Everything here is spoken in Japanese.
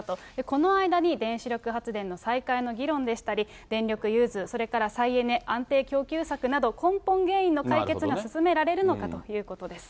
この間に原子力発電の再開の議論でしたり、電力融通、それから再エネ、安定供給策など根本原因の解決が進められるのかということです。